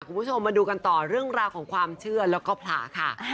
คุณผู้ชมมาดูกันต่อเรื่องราวของความเชื่อแล้วก็พระค่ะ